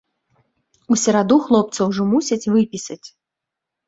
У сераду хлопца ўжо мусяць выпісаць.